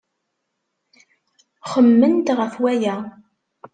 Xemmement ɣef waya.